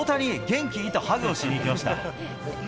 元気？とハグをしに行きました。